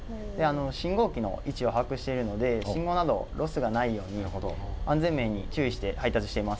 信号機の位置を把握しているので、信号など、ロスがないように、安全面に注意して配達しています。